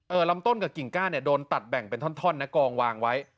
ลำต้นกับกิ่งก้าเนี่ยโดนตัดแบ่งเป็นท่อนนะกองวางไว้